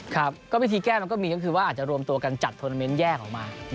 ครับก็วิธีแก้มันก็มีก็คือว่าอาจจะรวมตัวกันจัดทวนาเมนต์แยกออกมา